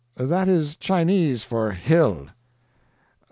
"That is Chinese for 'hill.'"